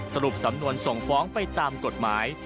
สรุปสำนวนส่งฟ้องไปตามกฎหมาย